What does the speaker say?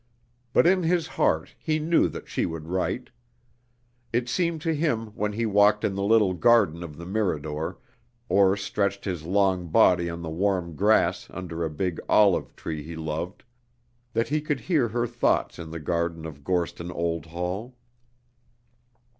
But in his heart he knew that she would write. It seemed to him when he walked in the little garden of the Mirador, or stretched his long body on the warm grass under a big olive tree he loved, that he could hear her thoughts in the garden of Gorston Old Hall.